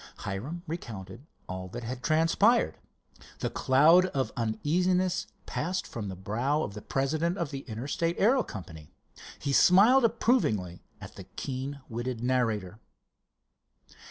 Hiram recounted all that had transpired. The cloud of uneasiness passed from the brow of the president of the Interstate Aero Company. He smiled approvingly at the keen witted narrator.